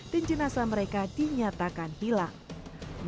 dan jenasa mereka dinyatakan hilang